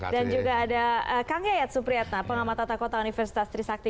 dan juga ada kang geyat supriyatna pengamat tata kota universitas trisakti